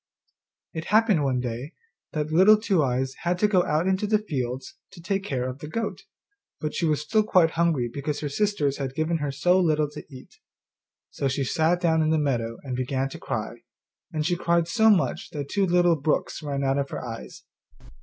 It happened one day that Little Two eyes had to go out into the fields to take care of the goat, but she was still quite hungry because her sisters had given her so little to eat. So she sat down in the meadow and began to cry, and she cried so much that two little brooks ran out of her eyes.